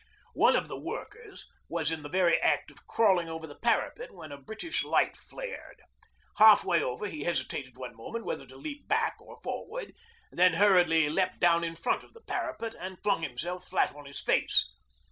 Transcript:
One of the workers was in the very act of crawling over the parapet when a British light flared. Half way over he hesitated one moment whether to leap back or forward, then hurriedly leapt down in front of the parapet and flung himself flat on his face.